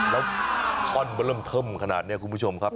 แล้วท่อนมันเริ่มเทิมขนาดนี้คุณผู้ชมครับ